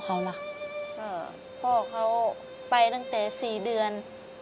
พ่อเค้าไปตั้งแต่๔เดือน